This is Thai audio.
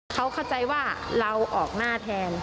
เขาเข้าใจว่าเราออกหน้าแทน